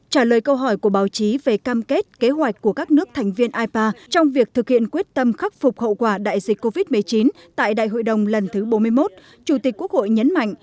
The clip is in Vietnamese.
trả lời câu hỏi của báo chí về cam kết kế hoạch của các nước thành viên ipa trong việc thực hiện quyết tâm khắc phục hậu quả đại dịch covid một mươi chín tại đại hội đồng lần thứ bốn mươi một chủ tịch quốc hội nhấn mạnh